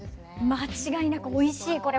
間違いなくおいしいこれは。